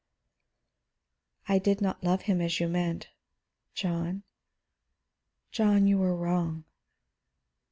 "I did not love him, as you meant. John, John, you were wrong."